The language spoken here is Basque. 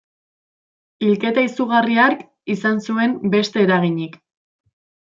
Hilketa izugarri hark izan zuen beste eraginik.